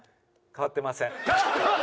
変わってません！